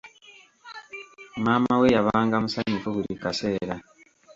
Maama we yabanga musanyufu buli kaseera.